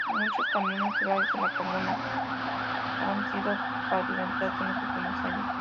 Muchos caminos rurales de la comuna han sido pavimentados en los últimos años.